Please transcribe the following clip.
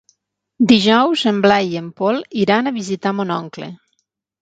Dijous en Blai i en Pol iran a visitar mon oncle.